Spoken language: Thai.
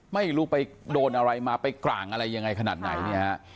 ไม่รู้ไปโดนอะไรมาไปกลางอะไรยังไงขนาดไหนเนี่ยฮะ